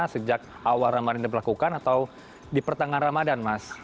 sejak awal ramadhan ini dilakukan atau di pertengahan ramadan mas